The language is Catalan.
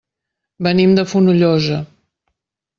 Venim de Fonollosa.